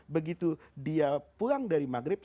begitu dia pulang dari maghrib